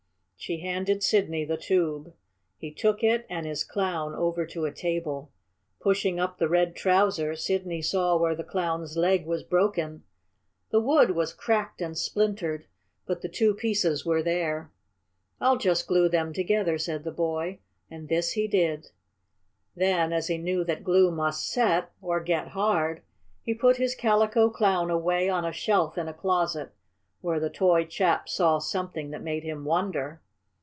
She handed Sidney the tube. He took it and his Clown over to a table. Pushing up the red trouser Sidney saw where the Clown's leg was broken. The wood was cracked and splintered, but the two pieces were there. "I'll just glue them together," said the boy. And this he did. Then, as he knew that glue must set, or get hard, he put his Calico Clown away on a shelf in a closet, where the toy chap saw something that made him wonder.